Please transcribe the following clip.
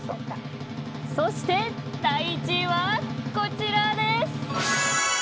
そして、第１位はこちらです。